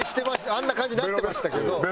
あんな感じになってましたけど。